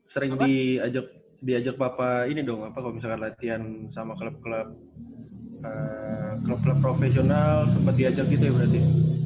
sering diajak diajak papa ini dong apa kalo misalkan latihan sama klub klub klub klub profesional sempet diajak gitu ya berarti